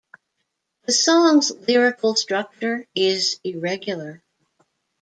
The song's lyrical structure is irregular.